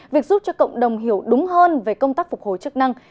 việc giúp cho cộng đồng hiểu đúng hơn về công tác phục hồi chức năng